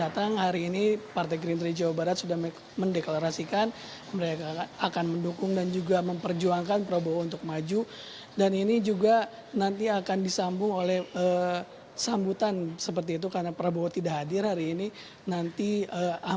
nah didengarkan bahwa pada purwovega negeri juga sudah disambung melewati prerogatif perpustakaan sama dengan pengunjung nord fo yang disc gravitational gol est como feedback menyambut kita ajarannya dan menyapa anggota webpanda yang d coincid ever questa acara